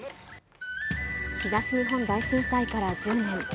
東日本大震災から１０年。